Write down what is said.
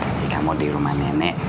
nanti kamu di rumah nenek